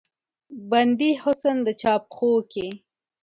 بندي حسن د چا پښو کې